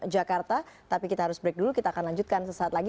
jadi kita harus break dulu kita akan lanjutkan sesaat lagi